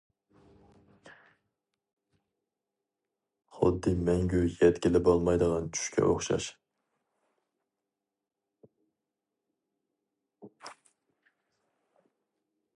خۇددى مەڭگۈ يەتكىلى بولمايدىغان چۈشكە ئوخشاش!